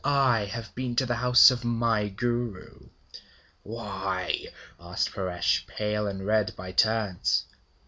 'I have been to the house of my Guru.' 'Why?' asked Paresh, pale and red by turns.